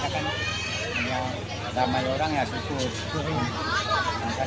ramai orang ya cukup